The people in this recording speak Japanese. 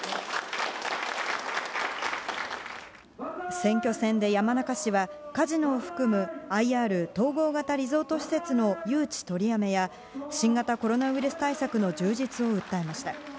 選挙戦で山中氏はカジノを含むＩＲ・統合型リゾート施設の誘致取りやめや新型コロナウイルス対策の充実を訴えました。